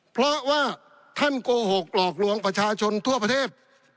เพราะว่าท่านโกหกหลอกลวงประชาชนทั่วประเทศ